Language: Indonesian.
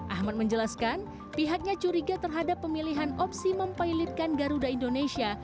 ahmad menjelaskan pihaknya curiga terhadap pemilihan opsi mempilotkan garuda indonesia